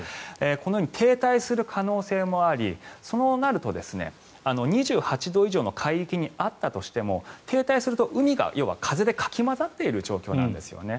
このように停滞する可能性もありそうなると、２８度以上の海域にあったとしても停滞すると、海が風でかき混ざっている状況なんですね。